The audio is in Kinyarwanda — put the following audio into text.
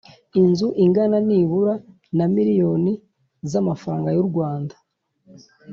Inzu ingana nibura na miliyoni z’ amafaranga y’U Rwanda